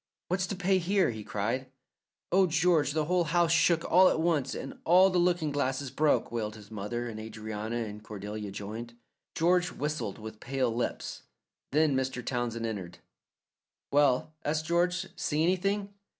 "What's to pay here?" he cried. "Oh, George, the whole house shook all at once, and all the looking glasses broke," wailed his mother, and Adrianna and Cordelia joined. George whistled with pale lips. Then Mr. Townsend entered. "Well," asked George, "see anything?"